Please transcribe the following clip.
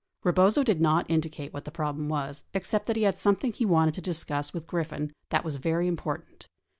Rebozo did not indicate what the problem was except that he. had something he wanted to discuss with Griffin that was very im portant.